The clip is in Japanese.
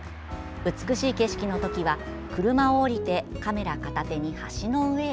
美しい景色の時は車を降りてカメラ片手に橋の上へ。